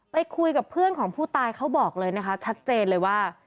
ไปคุยกับเพื่อนของผู้ตายเขาบอกเลยนะคะชัดเจนเลยว่า